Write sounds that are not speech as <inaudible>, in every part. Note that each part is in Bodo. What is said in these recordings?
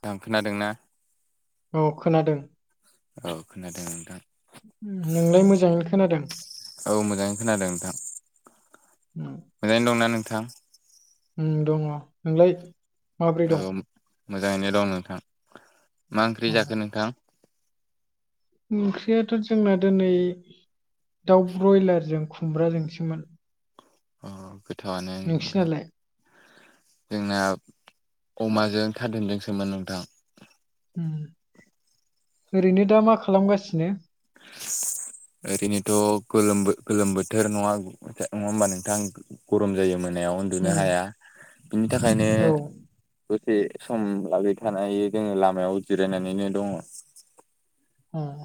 नोंथां खोनादोंना औ खोनादों औ खोनादों नोंथां नोंलाय मोजाङैनो खोनादों? औ मोजाङै खोनादों नोंथां उम मोजाङैनो दंना नोंथां? उम दङ नोंलाय? माब्रै दं औ मोजाङैनो दं नोंथां मा ओंख्रि उम। जाखो नोंथां? ओंख्रियाथ' जोंना दिनै दाउ ब्रयलारजों खुमब्राजोंसोमोन। अ गोथावानो नोंथां। नोंसिनालाय जोंना अमाजों खारदेनदोंसोमोन नोंथां <inaudible> उम ओरैनो दा मा खालामगासिनो ओरैनोथ' गोलोम गोलोम बोथोर नङा नङा होमबा नोंथां गरम जायो मोनायाव उन्दुनो उम, हाया बिनि थाखायनो, औ दसे सम लागबाय थानाय जोंङो लामायाव जिरायनानैनो दंङ। उम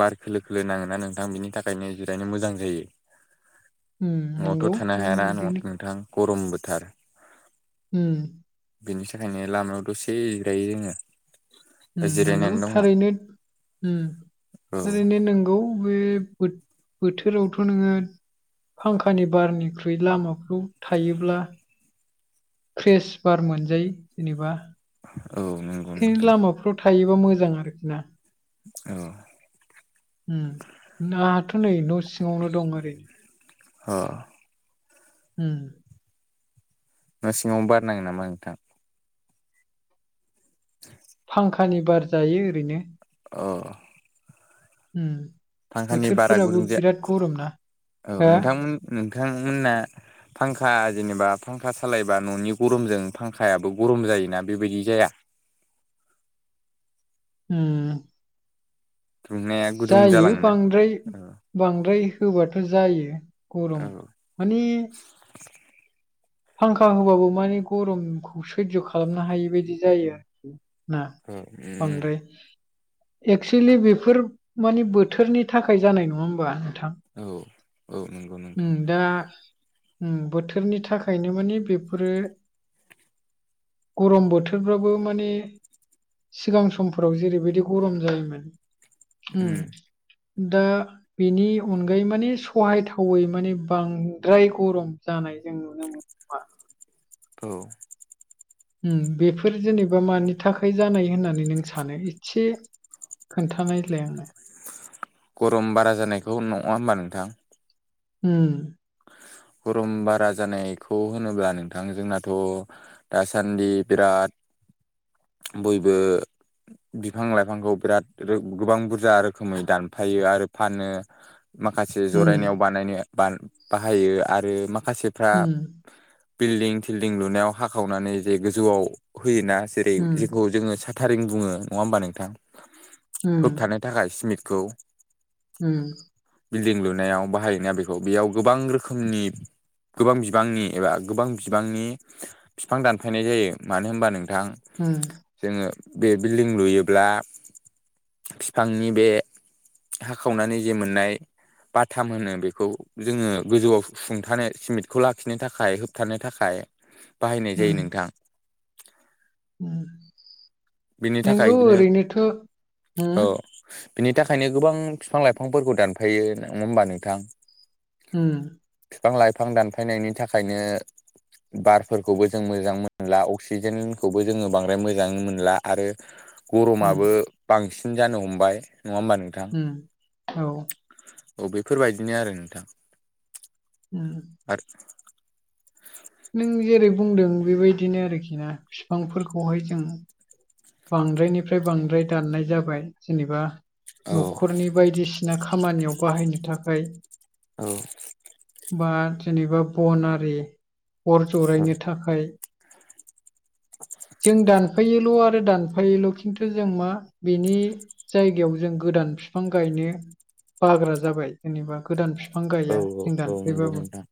बार खोलो खोलो नाङोना नोंथां बिनि थाखायनो जिरायनो मोजां जायो। उम, नंगौ न'आवथ' थानो उम, हायाना न ओरैनो नोंथां गरम बोथार। उम। बेनि थाखायनो लामायाव दसे जिरायो जोङो। दा ओम नोंगौ जिरायनानै दङ थारैनो, ओम औ थारैनो नों गौ बे बो-बोथोरावथ' नोङो फांखानि बारनिख्रुइ लामाफ्राव थायोब्ला फ्रेस बार मोनजायो जेनेबा। औ नो बेखायनो लामाफ्राव थायोबा मोजां आरोखि ना। औ उम दाथ' नै न' सिङावनो दं ओरै। अ उम। न' सिङावबो बार नाङो नामा नोंथां? <unintelligible> फांखानि बार जायो ओरैनो। अ ओम फांखानि बारा बोथोरफोराबो गुदुं जाया बिराद गरम ना औ हो? नोंथांमोन नोंथांमोनना फांखा जेनेबा फांखा सालायबा न'नि गरमजों फांखायाबो गरम जायोना बेबायदि जाया? ओम दुंनाया गुदुं जायो जालाङोना बांद्राय औ बांद्राय होबाथ' जायो औ गरम माने फांखा होबाबो माने गरमखौ सैज' खालामनो हायि बायदि जायो। ना औ उम बांद्राय। एक्सुलि बेफोर मानि बोथोरनि थाखाय जानाय नङा होमबा नोंथां? औ औ नंगौ नों उम दा उम बोथोरनि थाखायनो माने बेफोरो गरम बोथोरफ्राबो माने सिगां समफोराव जेरैबायदि गरम जायोमोन। उम दा बेनि अनगायै माने सहायथा वै माने बांद्राय गरम जानाय जों नुनो मोनो। मा औ ओम बेफोर जेनेबा मानि थाखाय जानाय होननानै नों सानो एसे खोन्थानायलाय आंनो गरम बारा जानायखौ नङा होमबा नोंथां? उम गरम बारा जानायखौ होनोब्ला नोंथां जोंनाथ' दासान्दि बिराद बयबो बिफां-लाइफांखौ बिराद रो गोबां बुरजा रोखोमै दानफायो आरो फानो। माखासे उम जरायनायाव बानायनो बा बाहायो आरो माखासेफ्रा उम बिल्डिं- थिल्डिं लुनायाव हाखावनानै जे गोजौआव होयोना? जेरै जेखौ जोङो साथारिं बुङो नङा होमबा नोंथां उम होबथानो थाखाय सिमिटखौ उम बिल्डिं लुनायाव बाहायोना बेखौ बेयाव गोबां रोखोम <unintelligible> नि गोबां बिबांनि एबा गोबां बिबांनि बिफां दानफायनाय जायो । मानो होनबा नोंथां? ओम जोङो बे बिल्डिं लुयोब्ला बिफांनि बे हाखावनानै जे मोननाय बाथाम होनो बेखौ जोङो गोजौआव सुंथानो सिमेन्टखौ लाखिनो थाखाय, होबथानो थाखाय, बाहायनाय जायो उम नोंथां। उम बेनि नोंगौ थाखायनो ओरैनोथ' उम अ बिनि थाखायनो गोबां बिफां लाइफांफोरखौ दानफायो नङा होमबा नोंथां। ओम बिफां लाइफां दानफायनायनि थाखायनो बार फोरखौबो जीं मोजाङै मोनला अक्सिजेन फोरखौबो जों बांद्राय मोजांओय मोनला आरो उम गरमाबो बांसिन जानो हमबाय नङा होमबा नों उम औ अ बेफोरबायदिनो आरो नोंथां। ओम आरो नों जेरै बुंदों बेबायदिनो आरोखि ना बिफांफोरखौहाय जों बांद्रायनिफ्राय बांद्राय दाननाय जाबाय जेनेबा औ न'खरनि बायदिसिना खामानियाव बाहायनो थाखाय औ बा जेनेबा बनारि अर जरायनो थाखाय जों दानफाओ दं आरो आरो दानफायोल' खिन्थु जों मा बिनि जायगायाव जों गोदान बिफां गायनो बाग्रा जाबाय जेनेबा गोदान बिफां औ गया जों औ नंगौ दानफैबाबो नोंथां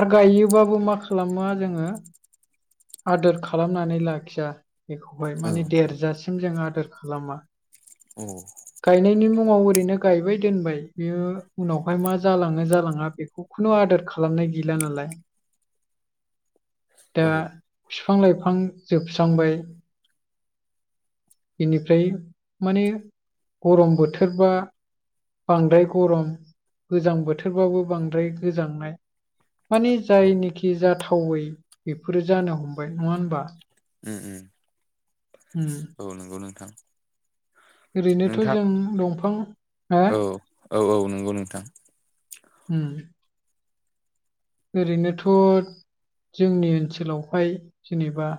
आरो गायोबाबबो मा खालामो जोङो, आदोर खालामनानै लाखिया वाय औ माने देरजासिम जों आदोर खालामा औ गायनायनि मुङाव ओरैनो गायबाय दोनबाय, बियो उनावहाय मा जालाङो -जालाङा बेखौ खुनु आदार खालामनाय गैला नालाय <inaudible> दा औ बिफां लाइफां जोबस्रांबाय एनिफ्राय माने गरम बोथोरबा बांद्राय गरम गोजां बोथोरबाबो बांद्राय गोजांनाय माने औ जायनिखि जाथावै बेफोरो जानो हमबाय नङा होमबा उम उम हम औ नोंगौ नोंथां। ओरैनोथ' नोंथां जों दंफां <unintelligible> औ औ औ नंगौ नोंथां ओम ओरैनोथ' जोंनि ओनसोलावहाय जेनेबा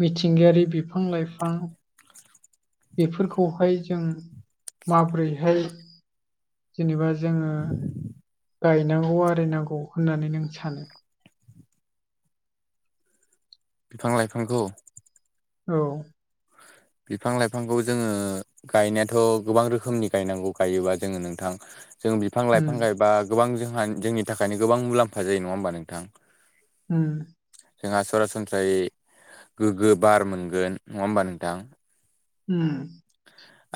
मिथिंगायारि बिफां - लाइफां बेफोरखौहाय जों माब्रैरैहाय जेनेबा जोङो गायनांगौ आरिनांगौ होननानै नों सानो बिफां लाइफांखौ औ बिफां लाइफांखौ जोंङो गायनायाथ' गोबां रोखोमनि गायनांगौ गायोबा जोङो नोंथां। जों उम बिफां-लाइफां गायबा गोबां जोंहा, जोंनि थाखायनो गोबां मुलाम्फा जायो नङा होमबा नोंथां? उम जोंहा सरासनस्रायै गोग्गो बार मोनगोन नङा होमबा नोंथां । ओम ।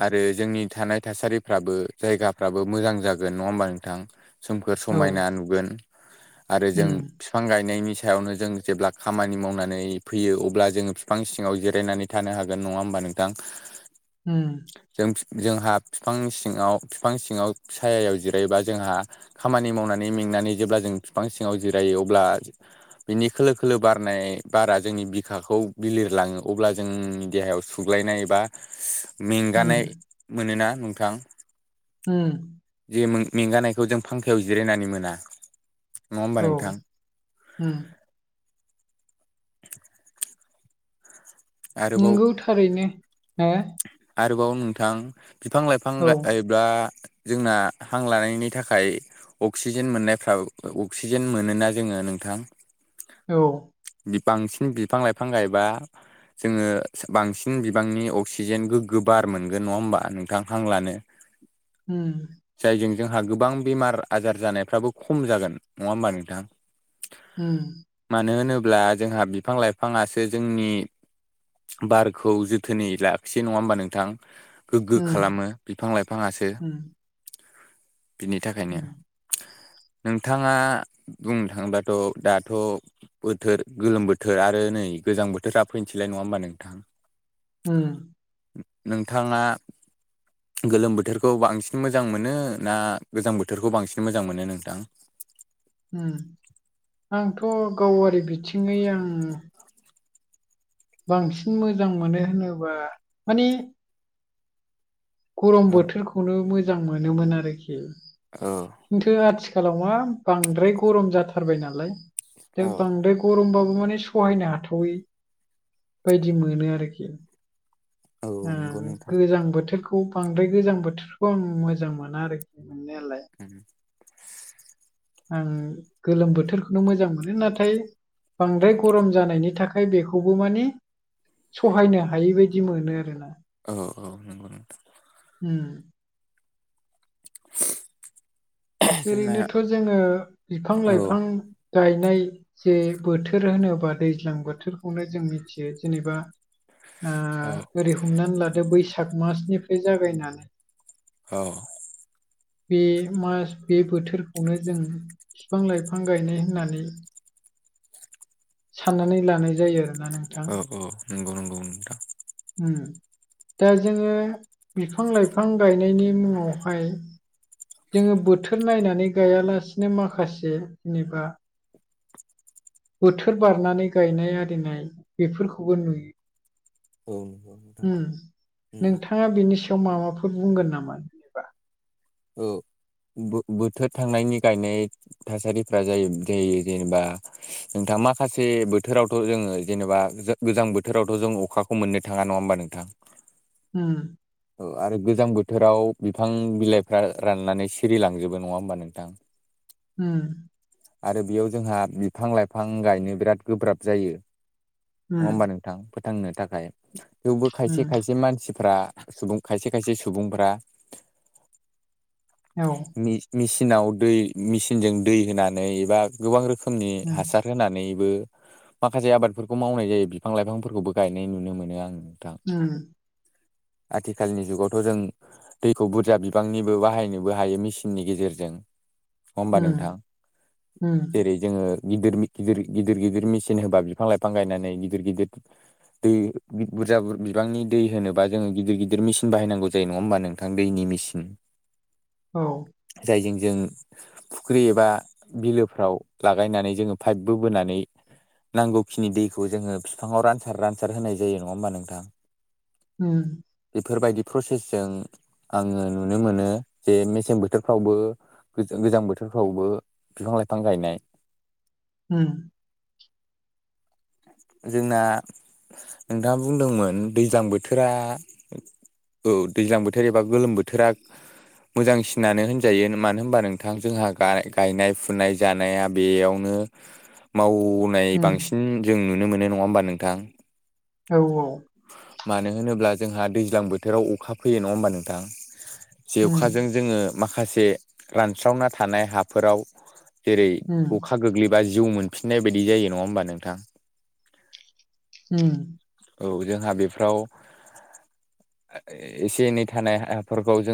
आरो जोंनि थानाय थासारिफ्राबो जायगाफ्राबो मोजां जागोन नङा होमबा नोंथां सोमखोर औ समायना नुगोन आरो जों उम बिफां गायनायनि सायावनो जों जेब्ला खामानि मावनानै फैयो अब्ला जोङो बिफां सिङाव जिरायनानै थानो हागोन नंङा होमबा नोंथां ओम । जों जोंहा बिफां सिङाव बिफां सिङाव सायायाव जिरायोबा जोंहा खामानि मावनानै मेंनानै जेब्ला जों बिफां सिङाव जिरायो अब्ला बिनि खोलो-खोलो बारनाय बारा जोंनि बिखाखौ बिलिरलाङो अब्ला जोंनि देहायाव सुग्लायनाय बा उम मेंगानाय मोनोना नोंथां । उम जे मेंगानायखौ जों फांखायाव जिरायनानै मोना नङा होमबा औ नोंथां ओम । <inaudible> आरोबाव नंगौ थारैनो हो आरोबाव नोंथां बिफां लाइफां हो बा जोंना हां लानायनि थाखाय अक्सिजेन मोननायफ्राब अक्सिजेन मोन ना जोंङो नोंथां औ बांसिन बिफां लाइफां गायबा जोंङो बांसिन बिबांनि अक्सिजेन गो गोबार मोनगोन नङा होमबा नोंथां हांलानो ओम । जायजों जोंहा गोबां बेमार आजार जानायफ्राबो खम जागोन नङा होमबा नोंथाङा होम मानो होनोब्ला जोंहा बिफां लाइफाङासो जोंनि बारखौ जोथोनै लािसै नङा होमबानो नोंथां गोग्गो उम खालामो बिफां लाइफाङासो उम बिनि थाखायनो उम नोंथाङा बुंनो थाङोबथ' दाथ बोथोर गोलोम बोथोर आरो नै गोजां बोथोरा फैनोसैलाय नंङा होमबा नोंथां ओम । नोंथांङा गोलोम बोथोरखौ बांसिन मोजां मोनो ना गोजां बोथोरखौ बांसिन मोजां मोनो नोंथां आंथ‌ गावारि बिथिङै आं बांसिन मोजां मोनो होनोबा माने गरम औ बोथोरखौनो मोजां मोनोमोन आरोखि औ । खिन्थु आथिखालाव मा बांद्राय गरम जाथारबाय नालाय । द औ बांद्राय गरमबाबो माने सहायनो हाथावै बायदि मोनो आरोखि औ नंगौ नोंथां गोजां बोथोरखौ बांद्राय गोजां बोथोरखौ आं मोजां मोना आरोखि मोननायालाय । आं गोलोम बोथोरखौनो मोजां मोनो नाथाय । बांद्राय गरम जानायनि थाखाय बेखौबो माने सहायनो हायि बायदि मोनो आरो ना । औ औ नंगौ नंगौ ओम । <unintelligible> जोंना ओरैनोथ' जोंङो बिफां औ लाइफां गायनाय जे बोथोर होनोबा दैज्लां बोथोरखौनो जों मिथियो जेनेबा ओ औ । ओरै हमनानै लादो बैसाग मासनिफ्राय जागायनानै औ बे मास बे बोथोरखौनो जों बिफां लाइफां गायनाय होननानै साननानै लानाय जायो । औ औ नंगौ नंगौ नोंथां । दा जोङो बिफां लाइफां गायनायनि मुङावहाय । जोङो बोथोर नायनानै गायालासिनो माखासे जेनेबा बोथोर बारनानै गायनाय आरिनाय बेफोरखौबो औ नंगौ नोंथां नुयो । उ नोंथाङा बिनि सायाव माबाफोर बुंगोन नामा? जेनेबा औ बोथोर थांनायनि गायनाय थासारिफोरा जायो जायो जेनेबा नोंथां माखासे बोथोरावथ' जोङो जेनेबा गोजां बोथोरावथ' जों अखा ख मोननो थाङा नङा होमबा नोंथां? उम । ओ आरो गोजां बोथोराव बिफां बिलाइफ्रा राननानै सिरिलांजोबो नङा होमबा नोंथां? <inaudible> उम । आरो बेयाव जोंहा बिफां लाइफां गायनो बिराद गोब्राब जायो । नङा उम होमबा नोंथां फोथांनो थाखाय थेवबो उम खायसे-खायसे मानसिफ्रा सुबुं खायसे खायसे सुबुंफोरा औ मेसें मेसिनाव दै मेसिनजों दै होनानै एबा । गोबां रोखोमनि उम हासार होनानैबो माखासे आबादफोरखौ मावनाय जायो बिफां-लाइफांफोरखौबो गायनाय नुनो मोनो आं नोंथां । उम । आथिखालनि जुगावथ' जों । दैखौ बुरजा बिबांनिबो बाहायनोबो हायो मेसिननि गेजेरजों । नङा होनबा उम नोंथां उम जेरै जोङो । गिदिर गिदिर गिदिर गिदिर मेसििन होबा बिफां लाइफां गायनानै गिदिर गिदिर । दै बुरजा बिबांनि दै होनोबा जोङो गिदिर गिदिर मिचन बायनांगौ जायो नङा होमबा नोंथां दैनि मेसिन । औ । जायजों जों फुख्रि एबा बिलोफ्राव लागायनानै जोङो पाइपबो बोनानै नांगौखिनि दैखौ जोङो फिफाङाव रानसार रानसार होनाय जायो नङा होमबा नोंथां । ओम । बेफोरबायदि प्रसेसजों आङो नुनो मोनो जे मेसें बोथोरफ्रावबो गो गोजां बोथोरफ्रावबो बिफां लाइफां गायनाय उम । जोंना नोंथाङा बुंदोंमोन दैज्लां बोथोरा औ दैज्लां बोथोर एबा गोलोम बोथोरा मोजांसिनानो होनजायो मानो होनबा नोंथां जोंहा गायनाय फुनाय । जानाया बेयावनो मावनाय उम बांसिन जों नुनो मोनो नङा होमबा नोंथां? औ औ । मानो होनोब्ला जोंहा दैज्लां बोथोराव अखा फैयो नङा होमबा नोंथां? जे उम अखाजों जोङो माखासे रानस्रावना थानाय हाफोराव जेरै उम अखा गोग्लैबा जिउ मोनफिननाय बायदि जायो नङा होमबा नोंथां? उम । औ जोंहा बेफ्राव एसे एनै थानाय हफोरखौ जों